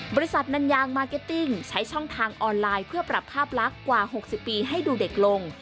บริษัทนันยางมาร์เก็ตติ้งใช้ช่องทางออนไลน์เพื่อปรับภาพลักษณ์กว่า๖๐ปีให้ดูเด็กลง